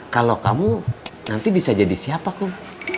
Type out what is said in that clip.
kalau kamu nanti bisa jadi siapa kok